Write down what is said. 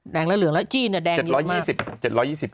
แดงแล้วเหลืองแล้วจีนแดงเยอะมาก